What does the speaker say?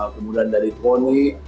kemudian dari poni